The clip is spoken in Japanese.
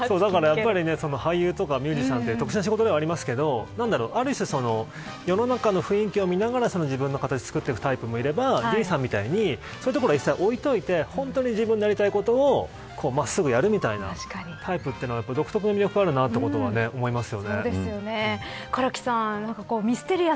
やっぱり俳優とかミュージシャンって特殊な仕事だと思いますけどある種、世の中の雰囲気を見ながら自分の形を作っていくタイプもいればディーンさんみたいに一切置いておいて本当に自分のやりたいことを真っすぐやるみたいなタイプというのは独特な魅力があるなと思いました。